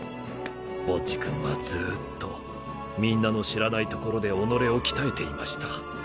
ボッジ君はずーっとみんなの知らないところで己を鍛えていました。